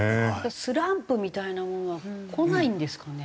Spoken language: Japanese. スランプみたいなものはこないんですかね？